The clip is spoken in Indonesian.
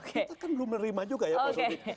kita kan belum menerima juga ya pak sudi